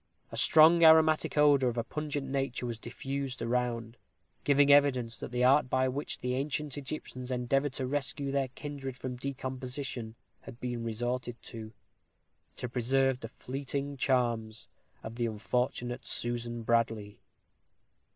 A strong aromatic odor, of a pungent nature, was diffused around; giving evidence that the art by which the ancient Egyptians endeavored to rescue their kindred from decomposition had been resorted to, to preserve the fleeting charms of the unfortunate Susan Bradley.